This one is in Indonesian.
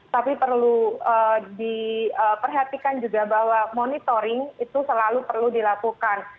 tapi perlu diperhatikan juga bahwa monitoring itu selalu perlu dilakukan